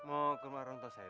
oh gimana tuh ini